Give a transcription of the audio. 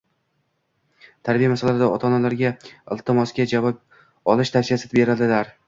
tarbiya masalalarida ota-onalarga iltimosga javob olish tavsiyasini beradilar.